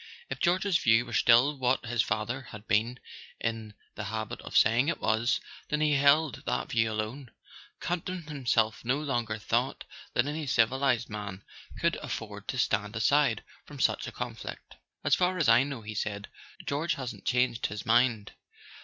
If George's view w'ere still what his father had been in the habit of say¬ ing it was, then he held that view alone: Campton himself no longer thought that any civilized man could afford to stand aside from such a conflict. "As far as I know," he said, "George hasn't changed his mind."